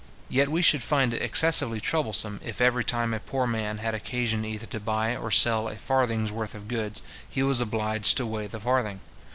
Yet we should find it excessively troublesome if every time a poor man had occasion either to buy or sell a farthing's worth of goods, he was obliged to weigh the farthing.